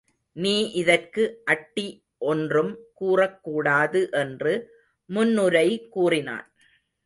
நீ இதற்கு அட்டி ஒன்றும் கூறக்கூடாது என்று முன்னுரை கூறினான்.